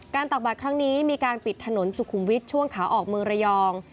ตักบาดครั้งนี้มีการปิดถนนสุขุมวิทย์ช่วงขาออกเมืองระยอง